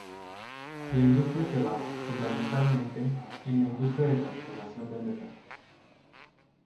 La industria se basa, fundamentalmente, en la industria de transformación del metal.